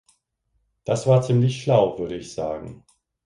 Das war ziemlich schlau, würde ich sagen.